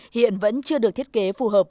hiện vẫn chưa được thiết kế